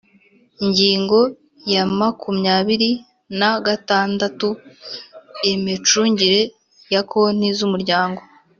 Ingingo ya makumyabiri na gatandatu: Imicungire ya Konti z’Umuryango.